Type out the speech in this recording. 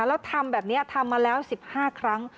แล้วทำแบบนี้ทำมาแล้ว๑๕ครั้ง